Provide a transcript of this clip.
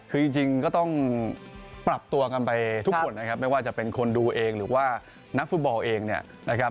คือจริงก็ต้องปรับตัวกันไปทุกคนนะครับไม่ว่าจะเป็นคนดูเองหรือว่านักฟุตบอลเองเนี่ยนะครับ